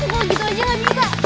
punggul gitu aja nggak bisa